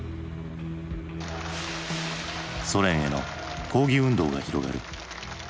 ソ連への抗議運動が広がる。